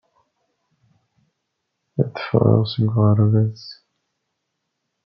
Ad ffɣeɣ seg uɣerbaz.